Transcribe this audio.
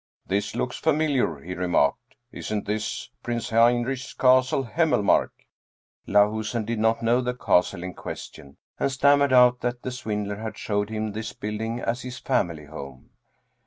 " This looks famil iar," he remarked. " Isn't this Prince Heinrich's castle, Hemmelmark ?" Lahusen did not know the castle in question, and stam mered out that the swindler had showed him this building as his family home.